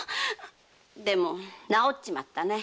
でも治っちまったね。